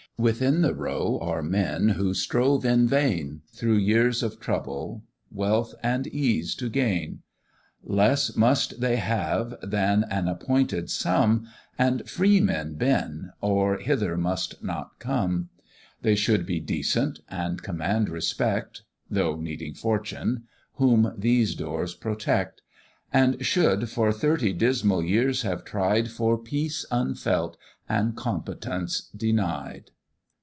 Within the row are men who strove in vain, Through years of trouble, wealth and ease to gain; Less must they have than an appointed sum, And freemen been, or hither must not come; They should be decent, and command respect, (Though needing fortune), whom these doors protect, And should for thirty dismal years have tried For peace unfelt and competence denied.